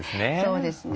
そうですね。